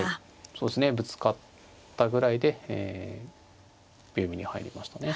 そうですねぶつかったぐらいで秒読みに入りましたね。